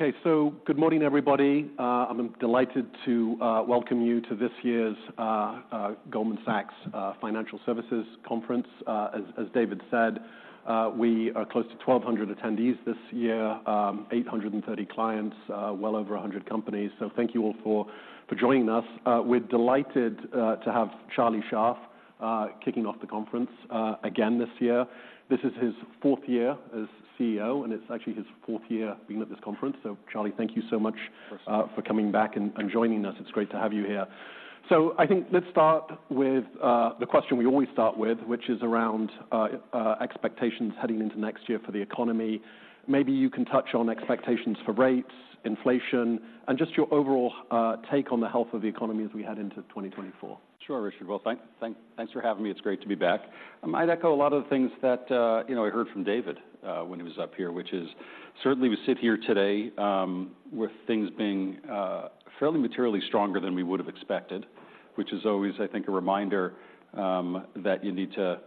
Okay, so good morning, everybody. I'm delighted to welcome you to this year's Goldman Sachs Financial Services Conference. As David said, we are close to 1,200 attendees this year, 830 clients, well over 100 companies. So thank you all for joining us. We're delighted to have Charlie Scharf kicking off the conference again this year. This is his fourth year as CEO, and it's actually his fourth year being at this conference. So Charlie, thank you so much- Of course. For coming back and joining us. It's great to have you here. So I think let's start with the question we always start with, which is around expectations heading into next year for the economy. Maybe you can touch on expectations for rates, inflation, and just your overall take on the health of the economy as we head into 2024. Sure, Richard. Well, thanks for having me. It's great to be back. I might echo a lot of the things that, you know, I heard from David, when he was up here, which is certainly we sit here today, with things being, fairly materially stronger than we would have expected, which is always, I think, a reminder, that you need to,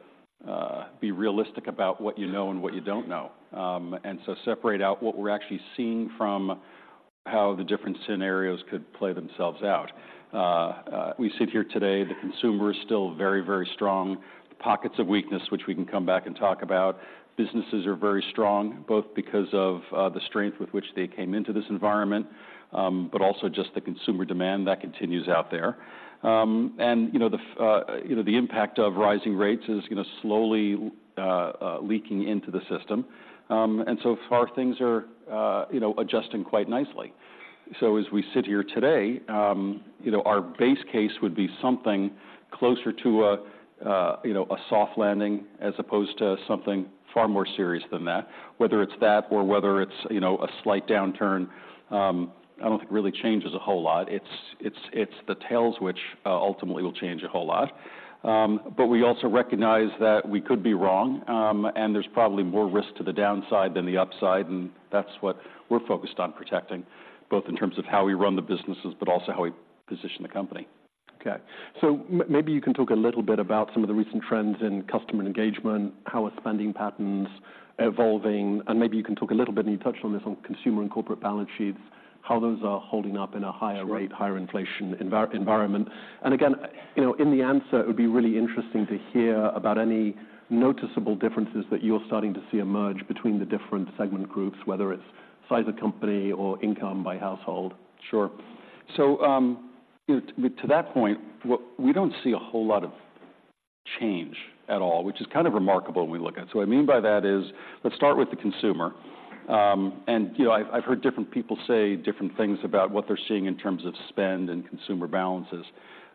be realistic about what you know and what you don't know. And so separate out what we're actually seeing from how the different scenarios could play themselves out. We sit here today, the consumer is still very, very strong. Pockets of weakness, which we can come back and talk about. Businesses are very strong, both because of, the strength with which they came into this environment, but also just the consumer demand that continues out there. And, you know, the impact of rising rates is going to slowly leaking into the system. And so far, things are, you know, adjusting quite nicely. So as we sit here today, you know, our base case would be something closer to a, you know, a soft landing, as opposed to something far more serious than that. Whether it's that or whether it's, you know, a slight downturn, I don't think really changes a whole lot. It's the tails which ultimately will change a whole lot. But we also recognize that we could be wrong, and there's probably more risk to the downside than the upside, and that's what we're focused on protecting, both in terms of how we run the businesses, but also how we position the company. Okay. So maybe you can talk a little bit about some of the recent trends in customer engagement, how are spending patterns evolving, and maybe you can talk a little bit, and you touched on this, on consumer and corporate balance sheets, how those are holding up in a higher- Sure... rate, higher inflation environment. And again, you know, in the answer, it would be really interesting to hear about any noticeable differences that you're starting to see emerge between the different segment groups, whether it's size of company or income by household. Sure. So, to that point, we don't see a whole lot of change at all, which is kind of remarkable when we look at it. So what I mean by that is, let's start with the consumer. And, you know, I've heard different people say different things about what they're seeing in terms of spend and consumer balances.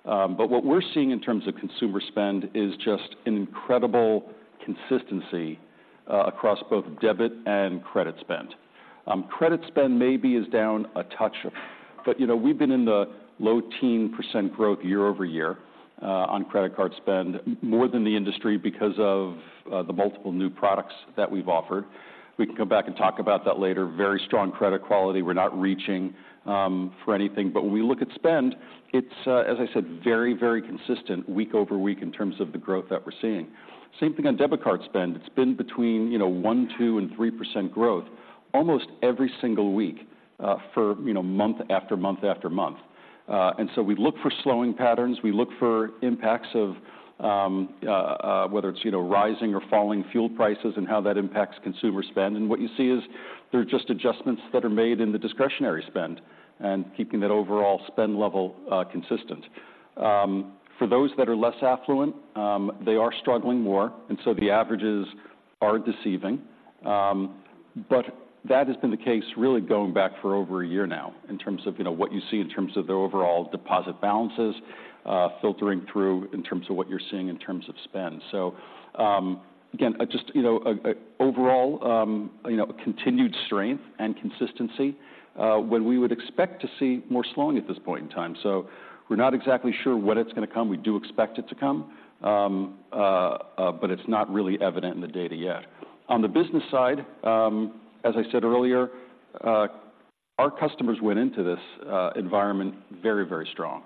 But what we're seeing in terms of consumer spend is just an incredible consistency, across both debit and credit spend. Credit spend maybe is down a touch, but, you know, we've been in the low-teens % growth year-over-year, on credit card spend, more than the industry because of, the multiple new products that we've offered. We can come back and talk about that later. Very strong credit quality. We're not reaching, for anything. But when we look at spend, it's, as I said, very, very consistent week over week in terms of the growth that we're seeing. Same thing on debit card spend. It's been between, you know, 1%-3% growth almost every single week, for, you know, month after month after month. And so we look for slowing patterns. We look for impacts of whether it's, you know, rising or falling fuel prices and how that impacts consumer spend. And what you see is they're just adjustments that are made in the discretionary spend and keeping that overall spend level, consistent. For those that are less affluent, they are struggling more, and so the averages are deceiving. But that has been the case really going back for over a year now, in terms of, you know, what you see in terms of the overall deposit balances, filtering through in terms of what you're seeing in terms of spend. So, again, just, you know, an overall, you know, a continued strength and consistency, when we would expect to see more slowing at this point in time. So we're not exactly sure when it's going to come. We do expect it to come, but it's not really evident in the data yet. On the business side, as I said earlier, our customers went into this environment very, very strong.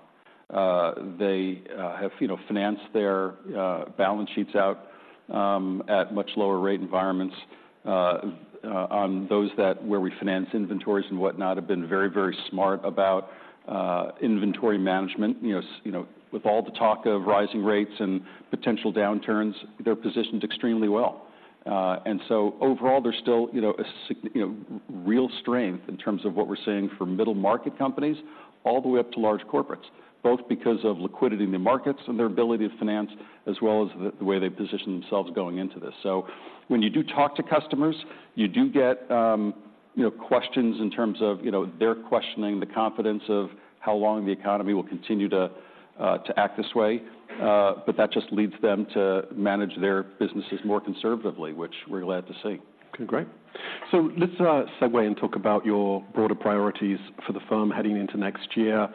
They have, you know, financed their balance sheets out at much lower rate environments on those that where we finance inventories and whatnot, have been very, very smart about inventory management. You know, you know, with all the talk of rising rates and potential downturns, they're positioned extremely well. So overall, there's still, you know, a you know, real strength in terms of what we're seeing for middle-market companies all the way up to large corporates, both because of liquidity in the markets and their ability to finance, as well as the, the way they position themselves going into this. So when you do talk to customers, you do get, you know, questions in terms of, you know, they're questioning the confidence of how long the economy will continue to to act this way. But that just leads them to manage their businesses more conservatively, which we're glad to see. Okay, great. So let's segue and talk about your broader priorities for the firm heading into next year.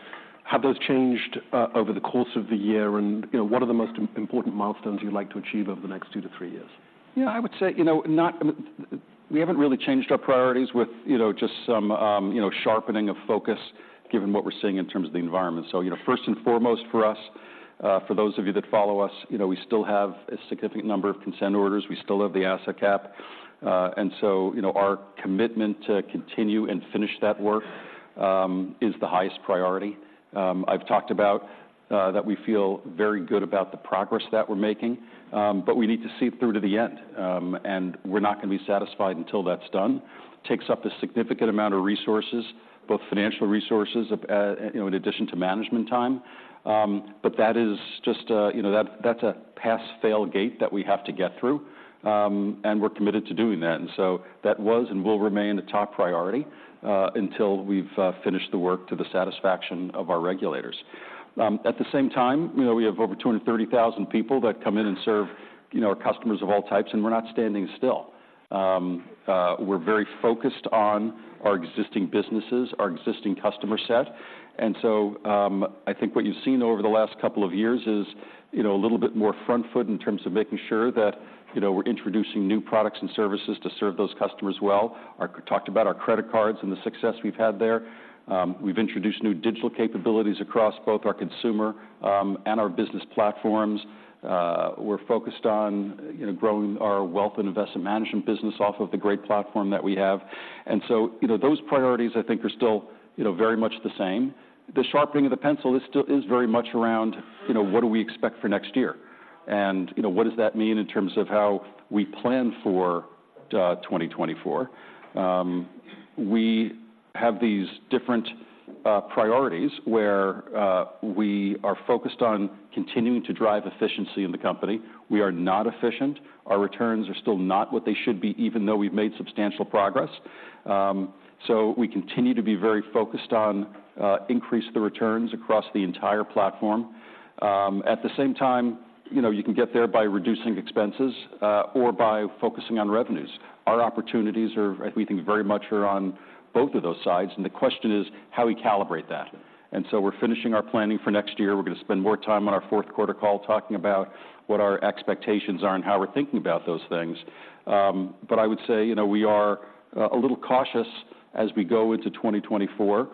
Have those changed over the course of the year? And, you know, what are the most important milestones you'd like to achieve over the next two to three years? Yeah, I would say, you know, we haven't really changed our priorities with, you know, just some, you know, sharpening of focus, given what we're seeing in terms of the environment. So, you know, first and foremost, for those of you that follow us, you know, we still have a significant number of Consent Orders. We still have the Asset Cap, and so, you know, our commitment to continue and finish that work is the highest priority. I've talked about that we feel very good about the progress that we're making, but we need to see it through to the end, and we're not going to be satisfied until that's done. Takes up a significant amount of resources, both financial resources, you know, in addition to management time. But that is just a, you know, that, that's a pass-fail gate that we have to get through, and we're committed to doing that. And so that was and will remain the top priority, until we've finished the work to the satisfaction of our regulators. At the same time, you know, we have over 230,000 people that come in and serve, you know, our customers of all types, and we're not standing still. We're very focused on our existing businesses, our existing customer set, and so, I think what you've seen over the last couple of years is, you know, a little bit more front foot in terms of making sure that, you know, we're introducing new products and services to serve those customers well. I talked about our credit cards and the success we've had there. We've introduced new digital capabilities across both our consumer and our business platforms. We're focused on, you know, growing our wealth and investment management business off of the great platform that we have. And so, you know, those priorities I think are still, you know, very much the same. The sharpening of the pencil is very much around, you know, what do we expect for next year? And, you know, what does that mean in terms of how we plan for 2024? We have these different priorities where we are focused on continuing to drive efficiency in the company. We are not efficient. Our returns are still not what they should be, even though we've made substantial progress. So we continue to be very focused on increase the returns across the entire platform. At the same time, you know, you can get there by reducing expenses, or by focusing on revenues. Our opportunities are, I think, very much are on both of those sides, and the question is, how we calibrate that? And so we're finishing our planning for next year. We're going to spend more time on our fourth quarter call, talking about what our expectations are and how we're thinking about those things. But I would say, you know, we are a little cautious as we go into 2024,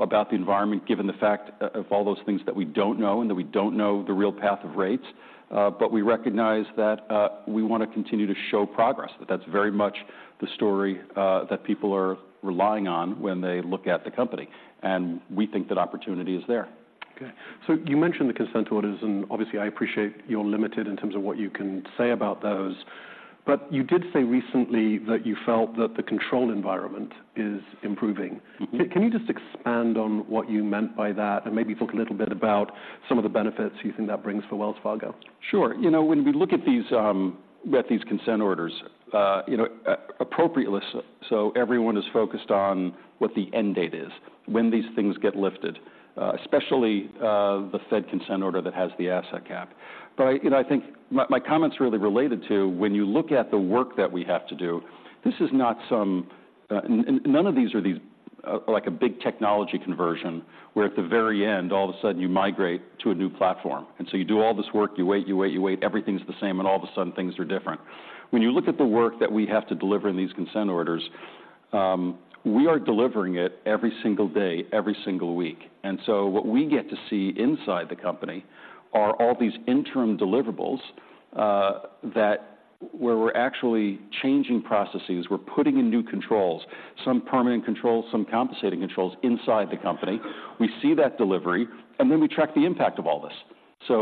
about the environment, given the fact of all those things that we don't know, and that we don't know the real path of rates. But we recognize that, we want to continue to show progress, that that's very much the story, that people are relying on when they look at the company, and we think that opportunity is there. Okay. So you mentioned the Consent Orders, and obviously, I appreciate you're limited in terms of what you can say about those, but you did say recently that you felt that the control environment is improving. Mm-hmm. Can you just expand on what you meant by that and maybe talk a little bit about some of the benefits you think that brings for Wells Fargo? Sure. You know, when we look at these, at these Consent Orders, you know, appropriately so, everyone is focused on what the end date is, when these things get lifted, especially, the Fed Consent Order that has the Asset Cap. But, you know, I think my, my comment's really related to when you look at the work that we have to do, this is not some... And, and none of these are these, like a big technology conversion, where at the very end, all of a sudden you migrate to a new platform. And so you do all this work, you wait, you wait, you wait, everything's the same, and all of a sudden, things are different. When you look at the work that we have to deliver in these Consent Orders, we are delivering it every single day, every single week. What we get to see inside the company are all these interim deliverables, that where we're actually changing processes, we're putting in new controls, some permanent controls, some compensating controls inside the company. We see that delivery, and then we track the impact of all this.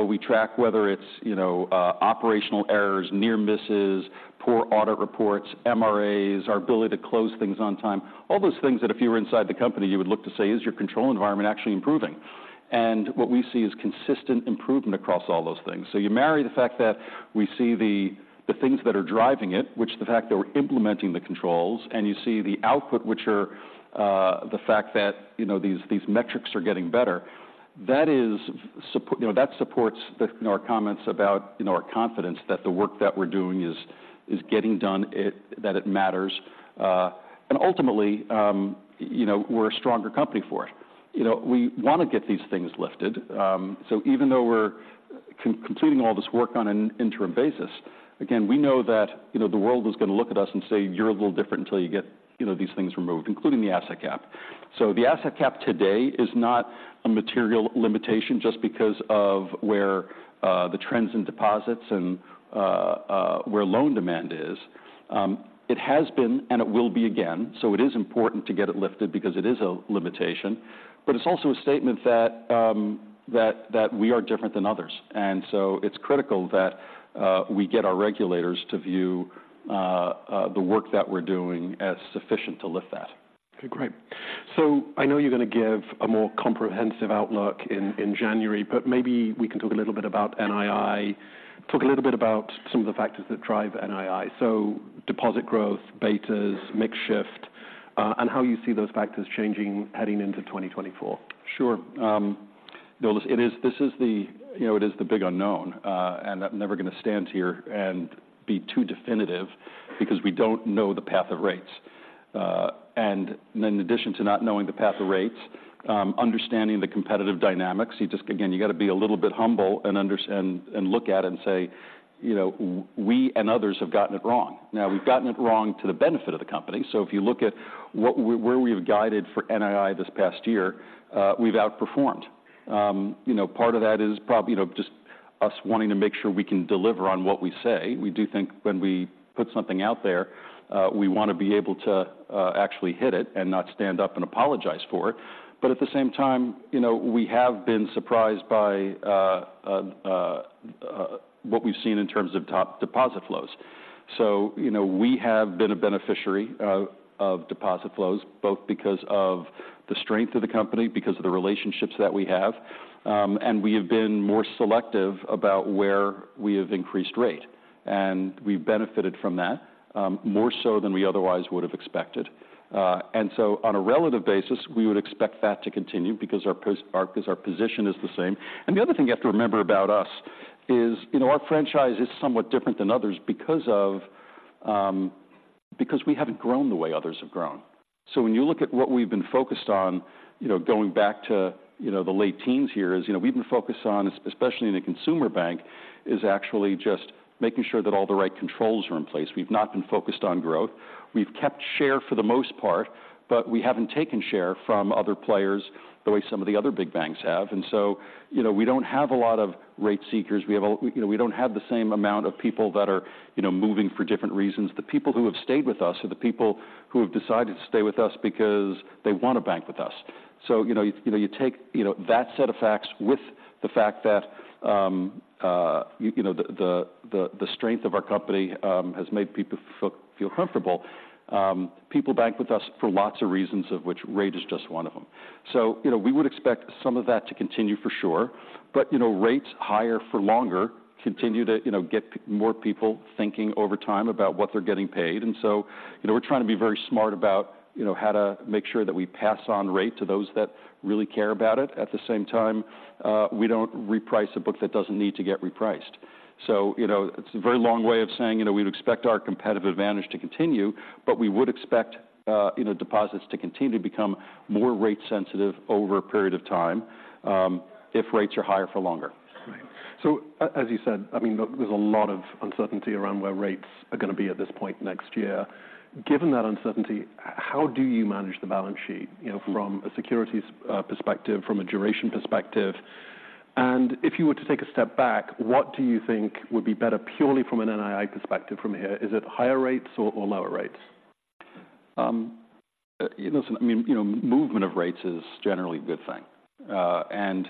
We track whether it's, you know, operational errors, near misses, poor audit reports, MRAs, our ability to close things on time. All those things that if you were inside the company, you would look to say, "Is your control environment actually improving?" What we see is consistent improvement across all those things. You marry the fact that we see the, the things that are driving it, which the fact that we're implementing the controls, and you see the output, which are the fact that, you know, these, these metrics are getting better. That supports, you know, our comments about, you know, our confidence that the work that we're doing is getting done, that it matters. And ultimately, you know, we're a stronger company for it. You know, we want to get these things lifted. So even though we're completing all this work on an interim basis, again, we know that, you know, the world is going to look at us and say, "You're a little different until you get, you know, these things removed," including the Asset Cap. So the Asset Cap today is not a material limitation just because of where the trends in deposits and where loan demand is. It has been, and it will be again, so it is important to get it lifted because it is a limitation, but it's also a statement that we are different than others. And so it's critical that we get our regulators to view the work that we're doing as sufficient to lift that. Okay, great. So I know you're going to give a more comprehensive outlook in January, but maybe we can talk a little bit about NII. Talk a little bit about some of the factors that drive NII. So deposit growth, betas, mix shift, and how you see those factors changing heading into 2024. Sure. You know, this is the... You know, it is the big unknown, and I'm never going to stand here and be too definitive because we don't know the path of rates. And in addition to not knowing the path of rates, understanding the competitive dynamics, you just again, you got to be a little bit humble and look at it and say, "You know, we and others have gotten it wrong." Now, we've gotten it wrong to the benefit of the company. So if you look at what we, where we've guided for NII this past year, we've outperformed. You know, part of that is probably, you know, just us wanting to make sure we can deliver on what we say. We do think when we put something out there, we want to be able to actually hit it and not stand up and apologize for it. But at the same time, you know, we have been surprised by what we've seen in terms of top deposit flows. So you know, we have been a beneficiary of deposit flows, both because of the strength of the company, because of the relationships that we have. And we have been more selective about where we have increased rate, and we've benefited from that more so than we otherwise would have expected. And so on a relative basis, we would expect that to continue because our position is the same. The other thing you have to remember about us is, you know, our franchise is somewhat different than others because of, because we haven't grown the way others have grown. So when you look at what we've been focused on, you know, going back to, you know, the late teens here, is, you know, we've been focused on, especially in the consumer bank, is actually just making sure that all the right controls are in place. We've not been focused on growth. We've kept share for the most part, but we haven't taken share from other players the way some of the other big banks have. And so, you know, we don't have a lot of rate seekers. You know, we don't have the same amount of people that are, you know, moving for different reasons. The people who have stayed with us are the people who have decided to stay with us because they want to bank with us. So, you know, you take, you know, that set of facts with the fact that, you know, the strength of our company has made people feel comfortable. People bank with us for lots of reasons, of which rate is just one of them. So, you know, we would expect some of that to continue for sure, but, you know, rates higher for longer continue to, you know, get more people thinking over time about what they're getting paid. And so, you know, we're trying to be very smart about, you know, how to make sure that we pass on rate to those that really care about it. At the same time, we don't reprice a book that doesn't need to get repriced. So, you know, it's a very long way of saying, you know, we'd expect our competitive advantage to continue, but we would expect, you know, deposits to continue to become more rate sensitive over a period of time, if rates are higher for longer. Right. So as you said, I mean, look, there's a lot of uncertainty around where rates are going to be at this point next year. Given that uncertainty, how do you manage the balance sheet, you know, from a securities perspective, from a duration perspective? And if you were to take a step back, what do you think would be better, purely from an NII perspective from here? Is it higher rates or lower rates? Listen, I mean, you know, movement of rates is generally a good thing. And,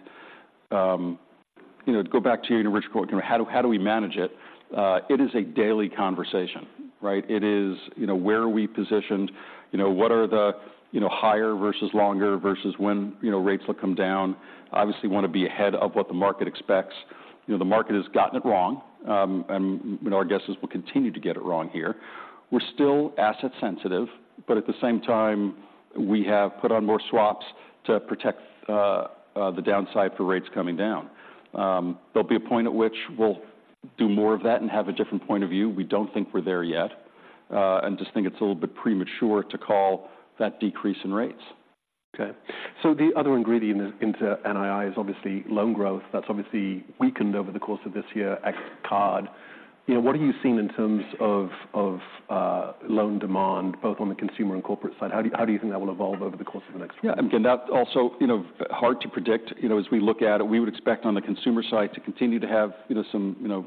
to go back to your original quote, you know, how do, how do we manage it? It is a daily conversation, right? It is, you know, where are we positioned? You know, what are the, you know, higher versus longer versus when, you know, rates will come down. Obviously, want to be ahead of what the market expects. You know, the market has gotten it wrong, and our guesses will continue to get it wrong here. We're still asset sensitive, but at the same time, we have put on more swaps to protect the downside for rates coming down. There'll be a point at which we'll do more of that and have a different point of view. We don't think we're there yet, and just think it's a little bit premature to call that decrease in rates. Okay, so the other ingredient into NII is obviously loan growth. That's obviously weakened over the course of this year ex card. You know, what are you seeing in terms of loan demand, both on the consumer and corporate side? How do you think that will evolve over the course of the next year? Yeah, again, that also, you know, hard to predict. You know, as we look at it, we would expect on the consumer side to continue to have, you know, some, you know,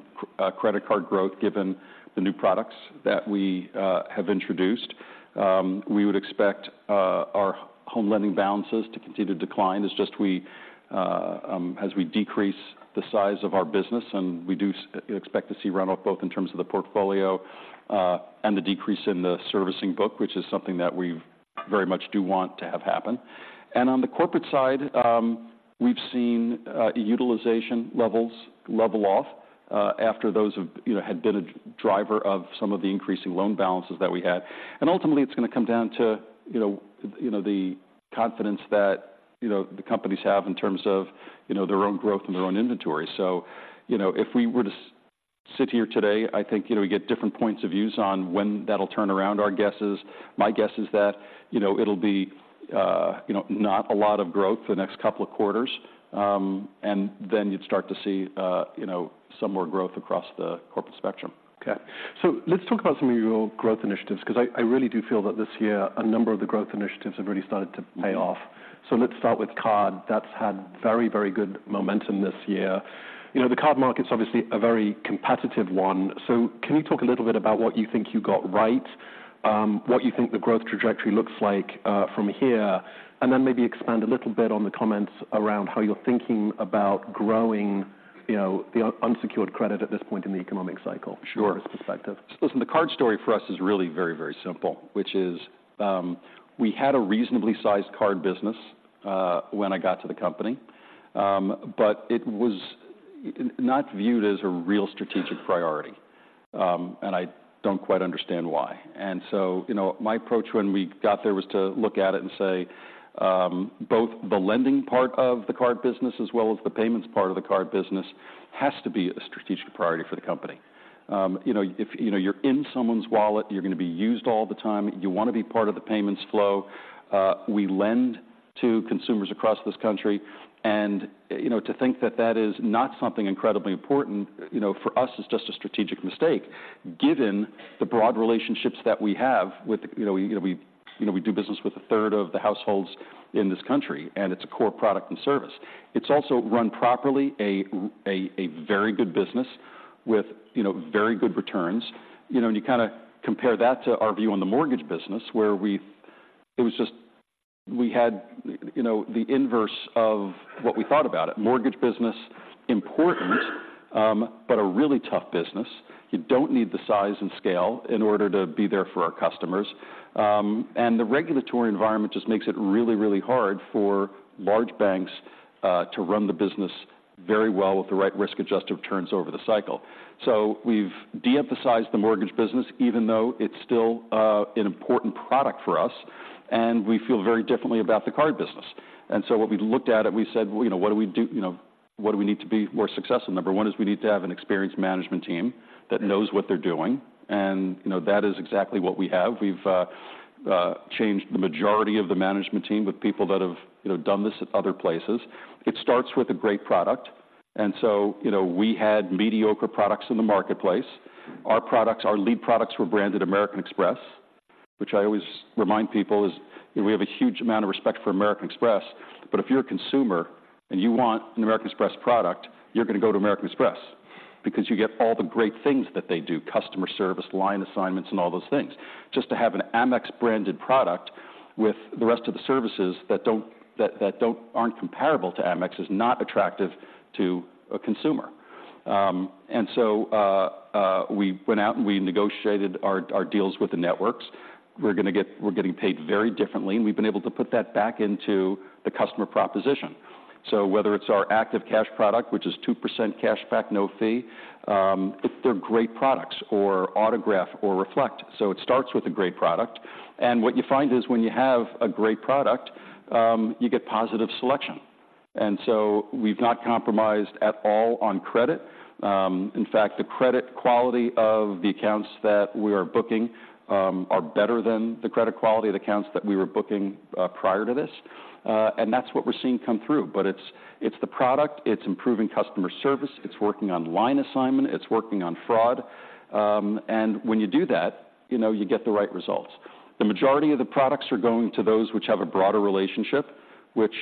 credit card growth, given the new products that we have introduced. We would expect our home lending balances to continue to decline. It's just we, as we decrease the size of our business, and we do expect to see runoff, both in terms of the portfolio, and the decrease in the servicing book, which is something that we very much do want to have happen. And on the corporate side, we've seen utilization levels level off, after those have, you know, had been a driver of some of the increasing loan balances that we had. Ultimately, it's going to come down to, you know, you know, the confidence that, you know, the companies have in terms of, you know, their own growth and their own inventory. So, you know, if we were to sit here today, I think, you know, we get different points of view on when that'll turn around. Our guess is... My guess is that, you know, it'll be, you know, not a lot of growth for the next couple of quarters, and then you'd start to see, you know, some more growth across the corporate spectrum. Okay, so let's talk about some of your growth initiatives, because I, I really do feel that this year a number of the growth initiatives have really started to pay off. So let's start with Card. That's had very, very good momentum this year. You know, the Card market's obviously a very competitive one. So can you talk a little bit about what you think you got right, what you think the growth trajectory looks like, from here? And then maybe expand a little bit on the comments around how you're thinking about growing, you know, the unsecured credit at this point in the economic cycle. Sure. from this perspective. Listen, the Card story for us is really very, very simple, which is, we had a reasonably sized Card business, when I got to the company, but it was not viewed as a real strategic priority, and I don't quite understand why. And so, you know, my approach when we got there was to look at it and say, both the lending part of the Card business as well as the payments part of the Card business, has to be a strategic priority for the company. You know, if, you know, you're in someone's wallet, you're going to be used all the time. You want to be part of the payments flow. We lend to consumers across this country. And, you know, to think that that is not something incredibly important, you know, for us, is just a strategic mistake, given the broad relationships that we have with, you know, we, you know, we do business with a third of the households in this country, and it's a core product and service. It's also run properly, a very good business with, you know, very good returns. You know, and you kind of compare that to our view on the mortgage business, where we, it was just, we had, you know, the inverse of what we thought about it. Mortgage business, important, but a really tough business. You don't need the size and scale in order to be there for our customers. And the regulatory environment just makes it really, really hard for large banks to run the business very well with the right risk-adjusted returns over the cycle. So we've de-emphasized the mortgage business, even though it's still an important product for us, and we feel very differently about the card business. And so what we looked at and we said, "Well, you know, what do we do? You know, what do we need to be more successful?" Number one is we need to have an experienced management team that knows what they're doing, and, you know, that is exactly what we have. We've changed the majority of the management team with people that have, you know, done this at other places. It starts with a great product, and so, you know, we had mediocre products in the marketplace. Our products, our lead products were branded American Express, which I always remind people is, we have a huge amount of respect for American Express, but if you're a consumer and you want an American Express product, you're gonna go to American Express because you get all the great things that they do, customer service, line assignments, and all those things. Just to have an Amex-branded product with the rest of the services that don't aren't comparable to Amex is not attractive to a consumer. So we went out and we negotiated our deals with the networks. We're getting paid very differently, and we've been able to put that back into the customer proposition. So whether it's our Active Cash product, which is 2% cashback, no fee, they're great products, or Autograph or Reflect. So it starts with a great product, and what you find is when you have a great product, you get positive selection. And so we've not compromised at all on credit. In fact, the credit quality of the accounts that we are booking are better than the credit quality of the accounts that we were booking prior to this. And that's what we're seeing come through. But it's, it's the product, it's improving customer service, it's working on line assignment, it's working on fraud. And when you do that, you know, you get the right results. The majority of the products are going to those which have a broader relationship, which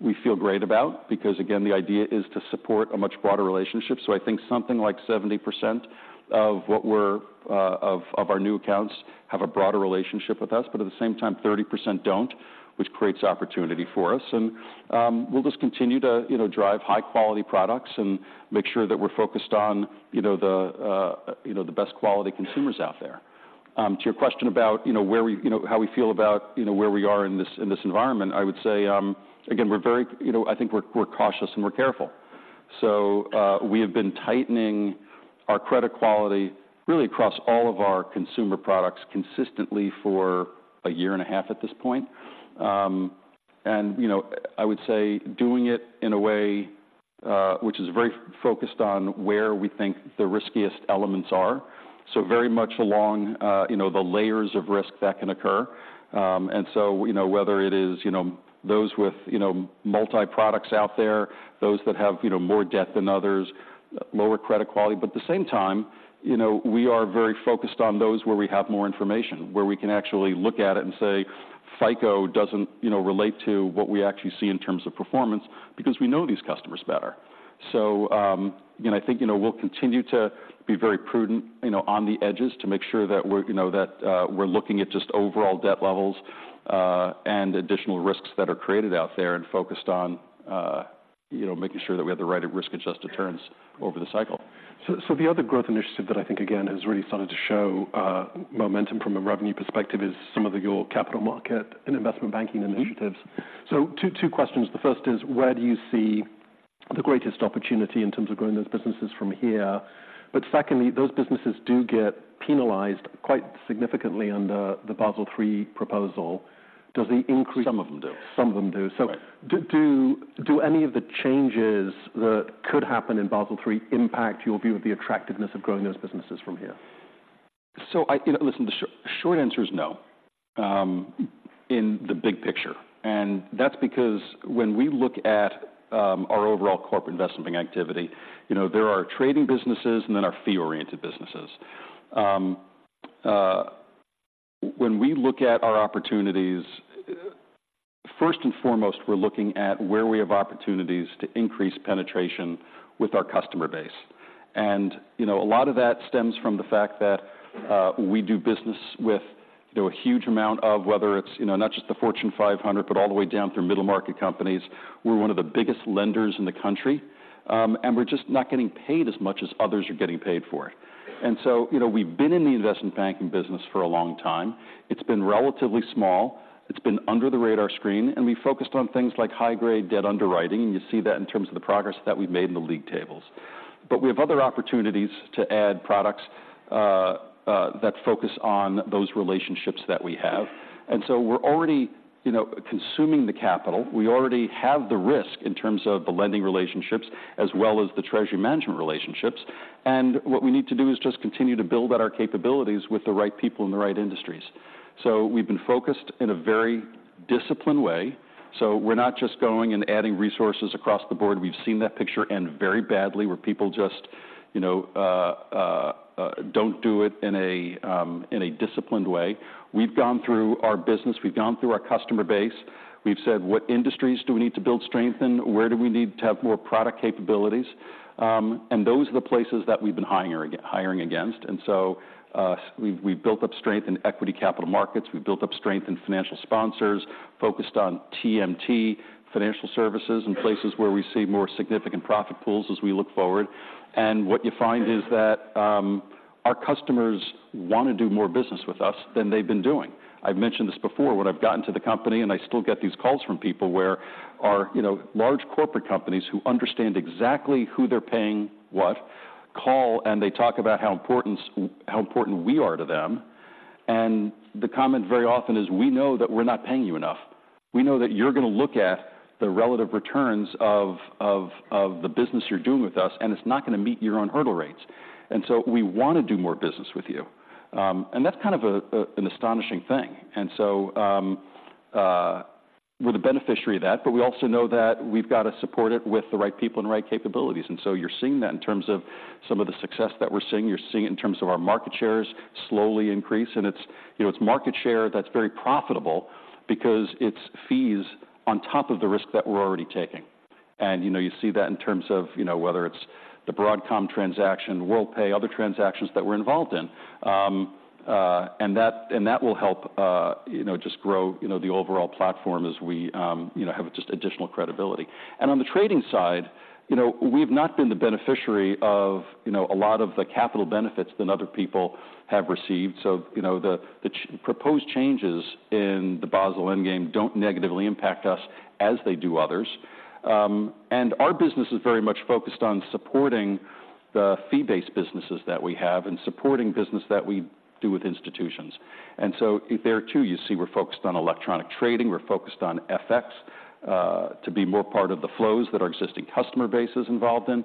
we feel great about because, again, the idea is to support a much broader relationship. So I think something like 70% of our new accounts have a broader relationship with us, but at the same time, 30% don't, which creates opportunity for us. We'll just continue to, you know, drive high-quality products and make sure that we're focused on, you know, the, you know, the best quality consumers out there. To your question about, you know, where we, you know, how we feel about, you know, where we are in this environment, I would say again, we're very... You know, I think we're cautious and we're careful. So we have been tightening our credit quality really across all of our consumer products consistently for a year and a half at this point. And, you know, I would say doing it in a way, which is very focused on where we think the riskiest elements are, so very much along, you know, the layers of risk that can occur. And so, you know, whether it is, you know, those with, you know, multi-products out there, those that have, you know, more debt than others, lower credit quality. But at the same time, you know, we are very focused on those where we have more information, where we can actually look at it and say, FICO doesn't, you know, relate to what we actually see in terms of performance because we know these customers better. So, you know, I think, you know, we'll continue to be very prudent, you know, on the edges to make sure that we're, you know, that we're looking at just overall debt levels and additional risks that are created out there and focused on, you know, making sure that we have the right and risk-adjusted terms over the cycle. So, the other growth initiative that I think again has really started to show momentum from a revenue perspective is some of your capital market and investment banking initiatives. Mm-hmm. So two, two questions. The first is: where do you see the greatest opportunity in terms of growing those businesses from here? But secondly, those businesses do get penalized quite significantly under the Basel III proposal. Does the increase- Some of them do. Some of them do. Right. So do any of the changes that could happen in Basel III impact your view of the attractiveness of growing those businesses from here? You know, listen, the short answer is no, in the big picture, and that's because when we look at our overall corporate investment activity, you know, there are trading businesses and then our fee-oriented businesses. When we look at our opportunities, first and foremost, we're looking at where we have opportunities to increase penetration with our customer base. You know, a lot of that stems from the fact that we do business with, you know, a huge amount of whether it's, you know, not just the Fortune 500, but all the way down through middle-market companies. We're one of the biggest lenders in the country, and we're just not getting paid as much as others are getting paid for it. So, you know, we've been in the investment banking business for a long time. It's been relatively small, it's been under the radar screen, and we focused on things like high-grade debt underwriting, and you see that in terms of the progress that we've made in the league tables. But we have other opportunities to add products that focus on those relationships that we have. And so we're already, you know, consuming the capital. We already have the risk in terms of the lending relationships as well as the treasury management relationships, and what we need to do is just continue to build out our capabilities with the right people in the right industries. So we've been focused in a very disciplined way, so we're not just going and adding resources across the board. We've seen that picture end very badly, where people you know don't do it in a in a disciplined way. We've gone through our business, we've gone through our customer base. We've said, "What industries do we need to build strength in? Where do we need to have more product capabilities?" And those are the places that we've been hiring, hiring against. And so, we've built up strength in equity capital markets. We've built up strength in financial sponsors, focused on TMT, financial services, and places where we see more significant profit pools as we look forward. And what you find is that, our customers want to do more business with us than they've been doing. I've mentioned this before, when I've gotten to the company, and I still get these calls from people where our, you know, large corporate companies who understand exactly who they're paying what, call, and they talk about how important we are to them. And the comment very often is, "We know that we're not paying you enough. We know that you're going to look at the relative returns of the business you're doing with us, and it's not going to meet your own hurdle rates. And so we want to do more business with you." And that's kind of an astonishing thing. And so, we're the beneficiary of that, but we also know that we've got to support it with the right people and the right capabilities. And so you're seeing that in terms of some of the success that we're seeing. You're seeing it in terms of our market shares slowly increase, and it's, you know, it's market share that's very profitable because it's fees on top of the risk that we're already taking. You know, you see that in terms of, you know, whether it's the Broadcom transaction, Worldpay, other transactions that we're involved in. And that will help, you know, just grow, you know, the overall platform as we, you know, have just additional credibility. And on the trading side, you know, we've not been the beneficiary of, you know, a lot of the capital benefits that other people have received. So, you know, the proposed changes in the Basel Endgame don't negatively impact us as they do others. And our business is very much focused on supporting the fee-based businesses that we have and supporting business that we do with institutions. And so there, too, you see we're focused on electronic trading, we're focused on FX, to be more part of the flows that our existing customer base is involved in.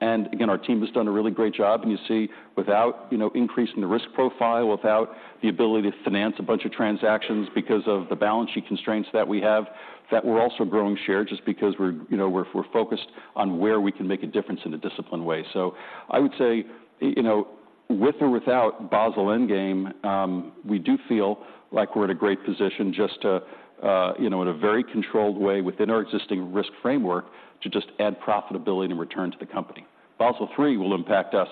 And again, our team has done a really great job, and you see, without, you know, increasing the risk profile, without the ability to finance a bunch of transactions because of the balance sheet constraints that we have, that we're also growing share, just because we're, you know, focused on where we can make a difference in a disciplined way. So I would say, you know, with or without Basel Endgame, we do feel like we're in a great position just to, you know, in a very controlled way, within our existing risk framework, to just add profitability and return to the company. Basel III will impact us,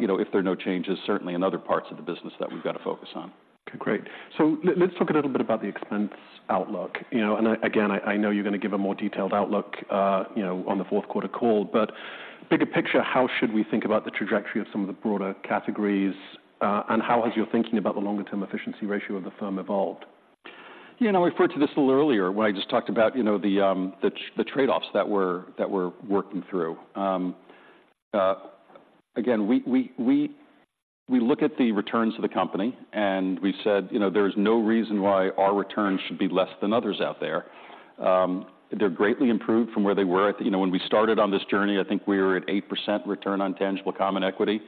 you know, if there are no changes, certainly in other parts of the business that we've got to focus on. Okay, great. So let's talk a little bit about the expense outlook. You know, and again, I know you're going to give a more detailed outlook, you know, on the fourth quarter call, but bigger picture, how should we think about the trajectory of some of the broader categories? And how has your thinking about the longer-term efficiency ratio of the firm evolved? You know, I referred to this a little earlier when I just talked about, you know, the trade-offs that we're working through. Again, we look at the returns of the company, and we said, "You know, there's no reason why our returns should be less than others out there." They're greatly improved from where they were. You know, when we started on this journey, I think we were at 8% return on tangible common equity.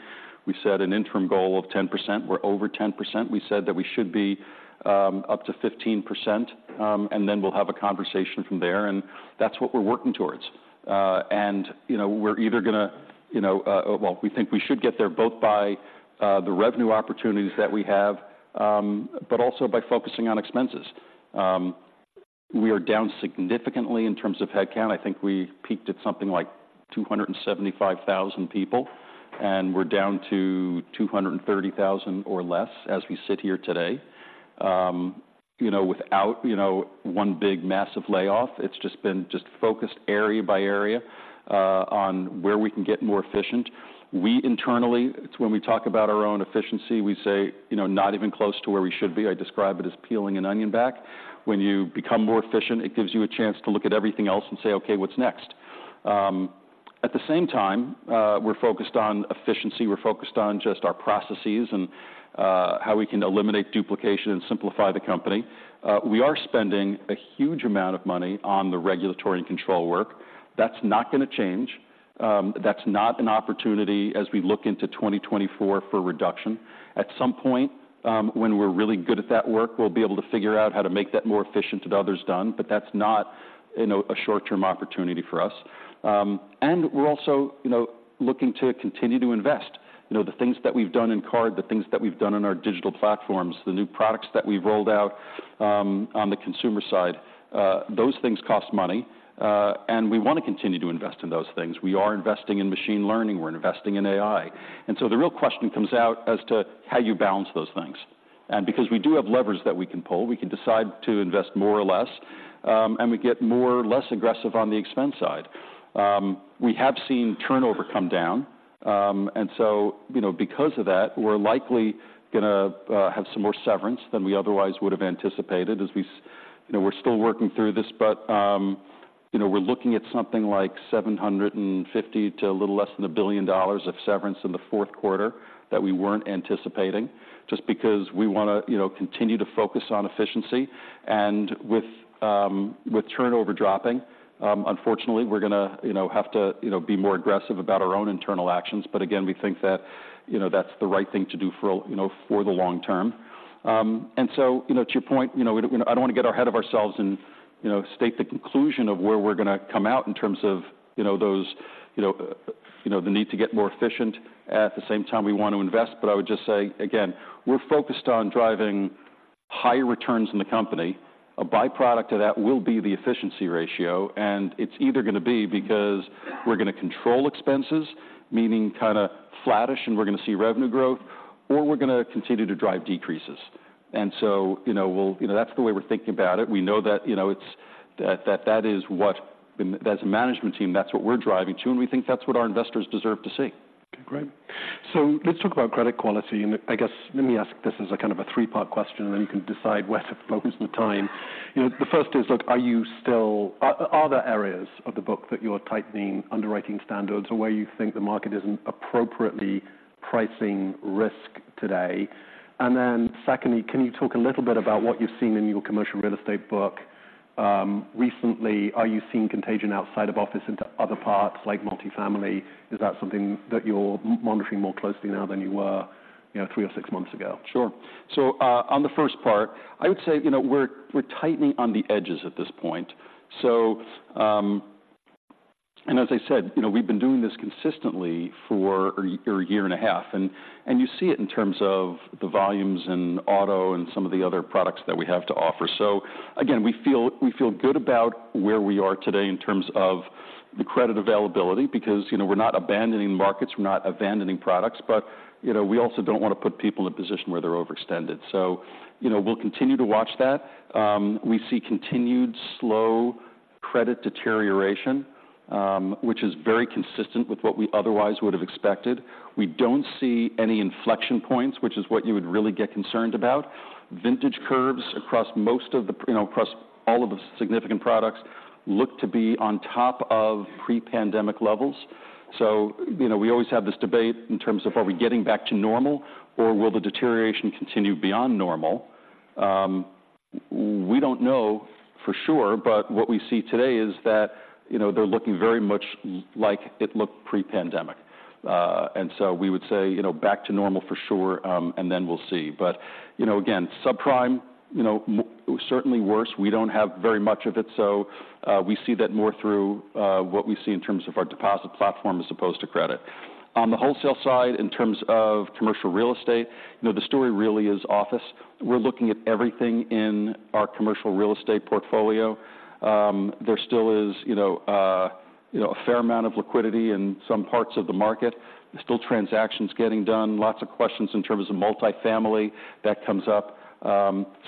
We set an interim goal of 10%. We're over 10%. We said that we should be up to 15%, and then we'll have a conversation from there, and that's what we're working towards. And, you know, we're either going to, you know... Well, we think we should get there both by the revenue opportunities that we have, but also by focusing on expenses. We are down significantly in terms of headcount. I think we peaked at something like 275,000 people, and we're down to 230,000 or less as we sit here today. You know, without, you know, one big massive layoff, it's just been just focused area by area on where we can get more efficient. We internally, it's when we talk about our own efficiency, we say, you know, "Not even close to where we should be." I describe it as peeling an onion back. When you become more efficient, it gives you a chance to look at everything else and say: Okay, what's next? At the same time, we're focused on efficiency. We're focused on just our processes and how we can eliminate duplication and simplify the company. We are spending a huge amount of money on the regulatory and control work. That's not going to change. That's not an opportunity as we look into 2024 for reduction. At some point, when we're really good at that work, we'll be able to figure out how to make that more efficient and others done, but that's not, you know, a short-term opportunity for us. And we're also, you know, looking to continue to invest. You know, the things that we've done in Card, the things that we've done in our digital platforms, the new products that we've rolled out, on the consumer side, those things cost money, and we want to continue to invest in those things. We are investing in machine learning. We're investing in AI. So the real question comes out as to how you balance those things. Because we do have levers that we can pull, we can decide to invest more or less, and we get more or less aggressive on the expense side. We have seen turnover come down, and so, you know, because of that, we're likely going to have some more severance than we otherwise would have anticipated, as we, you know, we're still working through this, but, you know, we're looking at something like $750 million to a little less than $1 billion of severance in the fourth quarter that we weren't anticipating, just because we want to, you know, continue to focus on efficiency. With turnover dropping, unfortunately, we're going to, you know, have to, you know, be more aggressive about our own internal actions. But again, we think that, you know, that's the right thing to do for, you know, for the long term... And so, you know, to your point, you know, we don't- I don't want to get ahead of ourselves and, you know, state the conclusion of where we're going to come out in terms of, you know, those, you know, you know, the need to get more efficient. At the same time, we want to invest. But I would just say again, we're focused on driving higher returns in the company. A byproduct of that will be the efficiency ratio, and it's either going to be because we're going to control expenses, meaning kind of flattish, and we're going to see revenue growth, or we're going to continue to drive decreases. And so, you know, we'll. You know, that's the way we're thinking about it. We know that, you know, it's—that, that is what. As a management team, that's what we're driving to, and we think that's what our investors deserve to see. Okay, great. So let's talk about credit quality. And I guess let me ask this as a kind of a three-part question, and then you can decide where to focus the time. You know, the first is, look, are you still? Are there areas of the book that you're tightening underwriting standards or where you think the market isn't appropriately pricing risk today? And then secondly, can you talk a little bit about what you've seen in your commercial real estate book recently? Are you seeing contagion outside of office into other parts, like multifamily? Is that something that you're monitoring more closely now than you were, you know, three or six months ago? Sure. So, on the first part, I would say, you know, we're tightening on the edges at this point. So, and as I said, you know, we've been doing this consistently for a year and a half, and you see it in terms of the volumes in auto and some of the other products that we have to offer. So again, we feel good about where we are today in terms of the credit availability, because, you know, we're not abandoning markets, we're not abandoning products, but, you know, we also don't want to put people in a position where they're overextended. So, you know, we'll continue to watch that. We see continued slow credit deterioration, which is very consistent with what we otherwise would have expected. We don't see any inflection points, which is what you would really get concerned about. Vintage curves across most of the, you know, across all of the significant products, look to be on top of pre-pandemic levels. So, you know, we always have this debate in terms of are we getting back to normal or will the deterioration continue beyond normal? We don't know for sure, but what we see today is that, you know, they're looking very much like it looked pre-pandemic. And so we would say, you know, back to normal for sure, and then we'll see. But, you know, again, subprime, you know, certainly worse. We don't have very much of it, so, we see that more through what we see in terms of our deposit platform as opposed to credit. On the wholesale side, in terms of commercial real estate, you know, the story really is office. We're looking at everything in our commercial real estate portfolio. There still is, you know, you know, a fair amount of liquidity in some parts of the market. There's still transactions getting done, lots of questions in terms of multifamily. That comes up.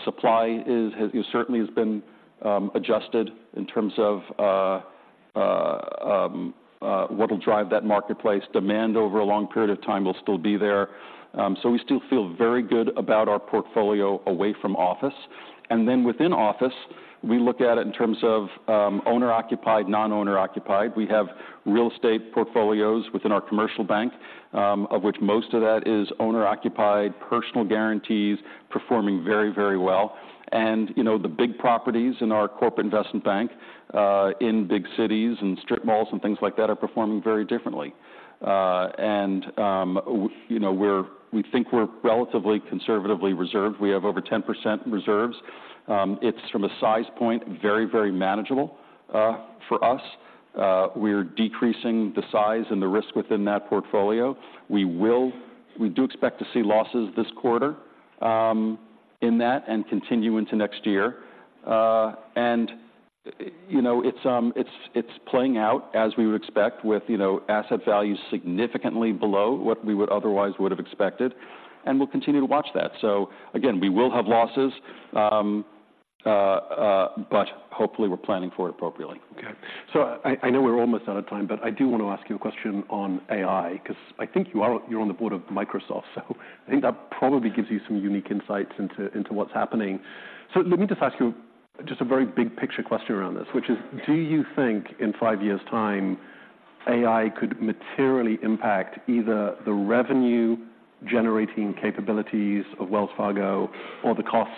Supply is, has certainly has been, adjusted in terms of, what will drive that marketplace. Demand over a long period of time will still be there. So we still feel very good about our portfolio away from office. And then within office, we look at it in terms of, owner-occupied, non-owner-occupied. We have real estate portfolios within our commercial bank, of which most of that is owner-occupied, personal guarantees, performing very, very well. And you know, the big properties in our corporate investment bank, in big cities and strip malls and things like that, are performing very differently. You know, we think we're relatively conservatively reserved. We have over 10% reserves. It's from a size point, very, very manageable, for us. We're decreasing the size and the risk within that portfolio. We do expect to see losses this quarter, in that and continue into next year. You know, it's playing out as we would expect with, you know, asset values significantly below what we would otherwise would have expected, and we'll continue to watch that. So again, we will have losses, but hopefully, we're planning for it appropriately. Okay, so I, I know we're almost out of time, but I do want to ask you a question on AI, because I think you are—you're on the board of Microsoft, so I think that probably gives you some unique insights into, into what's happening. So let me just ask you just a very big-picture question around this, which is: Do you think in five years' time, AI could materially impact either the revenue-generating capabilities of Wells Fargo or the cost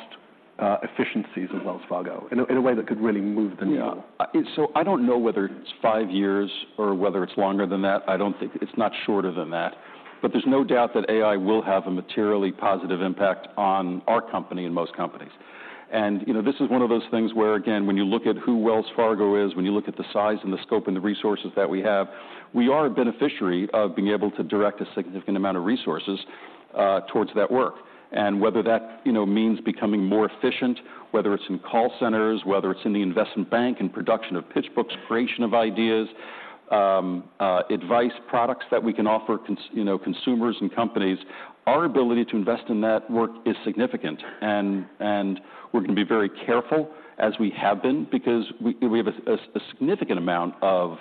efficiencies of Wells Fargo in a, in a way that could really move the needle? Yeah. So I don't know whether it's five years or whether it's longer than that. I don't think. It's not shorter than that. But there's no doubt that AI will have a materially positive impact on our company and most companies. And you know, this is one of those things where, again, when you look at who Wells Fargo is, when you look at the size and the scope and the resources that we have, we are a beneficiary of being able to direct a significant amount of resources towards that work. And whether that, you know, means becoming more efficient, whether it's in call centers, whether it's in the investment bank, in production of pitch books, creation of ideas, advice products that we can offer consumers and companies, our ability to invest in that work is significant. We're going to be very careful, as we have been, because we have a significant amount of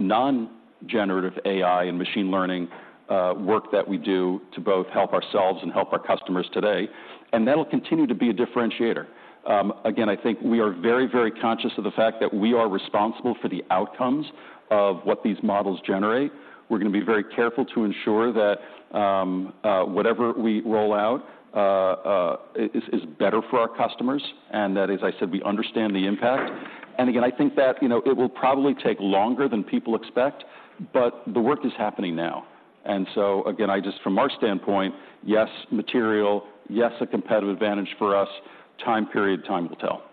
non-generative AI and machine learning work that we do to both help ourselves and help our customers today, and that'll continue to be a differentiator. Again, I think we are very, very conscious of the fact that we are responsible for the outcomes of what these models generate. We're going to be very careful to ensure that whatever we roll out is better for our customers, and that, as I said, we understand the impact. Again, I think that, you know, it will probably take longer than people expect, but the work is happening now. And so again, I just from our standpoint, yes, material, yes, a competitive advantage for us. Time period, time will tell.